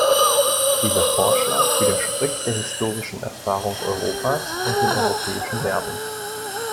Dieser Vorschlag widerspricht der historischen Erfahrung Europas und den europäischen Werten.